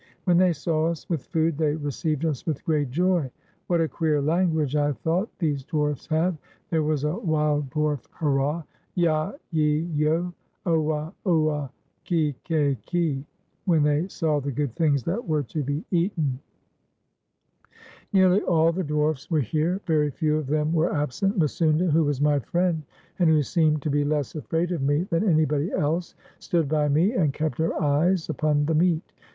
When they saw us with food they received us with great joy. "What a queer language," I thought, "these dwarfs have!" There was a wild dwarf hurra, " Fa / ye ! yo ! Oua ! oua ! Ke ! ki ke ki !" when they saw the good things that were to be eaten. 415 WESTERN AND CENTRAL AFRICA Nearly all the dwarfs were here; very few of them were absent. Misounda, who was my friend, and who seemed to be less afraid of me than anybody else, stood by me, and kept her eyes upon the meat.